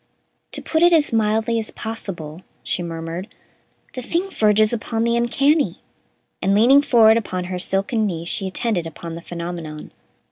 "To put it as mildly as possible," she murmured, "the thing verges upon the uncanny"; and, leaning forward upon her silken knees, she attended upon the phenomenon.